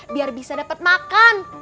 biar bisa dapat makan